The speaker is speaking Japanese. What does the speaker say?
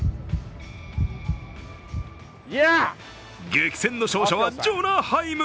激戦の勝者はジョナ・ハイム！